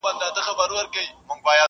چي د کوچ خبر یې جام د اجل راسي٫